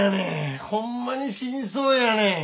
ホンマに死にそうやねん！